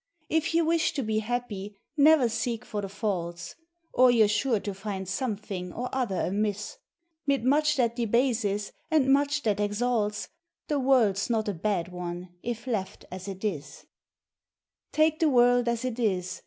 If ye wish to be happy ne'er seek for the faults, Or you 're sure to find some thing or other amiss; 'Mid much that debases, and much that exalts, The world 's not a bad one if left as it is. 404 POEMS OF FRIEXDSHIP. Take the world as it is!